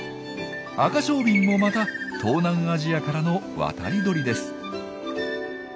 アカショウビンもまた東南アジアからの渡り鳥です。